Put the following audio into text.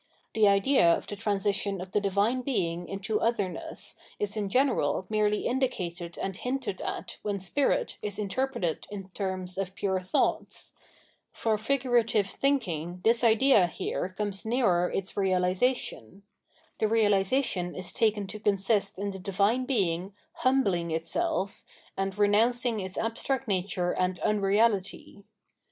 The idea of the transition of the Divine Being into otherness is in general merely indicated and hinted at when Spkit is interpreted in terms of pure thought ; for figurative thinking this idea here comes nearer its realisation : the reahsation is taken to consist in the Divine Being "humbling" It seff, and renouncing its abstract nature and unreahty.